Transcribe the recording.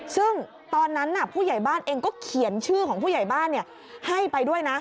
ซึ่งตอนนั้นผู้ใหญ่บ้านเองก็เขียนชื่อของผู้ใหญ่บ้านให้ไปด้วยนะ